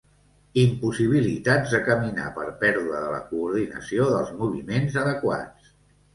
Impossibilitats de caminar per pèrdua de la coordinació dels moviments adequats.